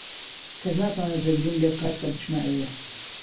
کەس ناتوانێت ڕێگریم لێ بکات کە بچمە ئەوێ.